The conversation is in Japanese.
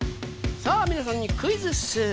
さぁ皆さんにクイズッス！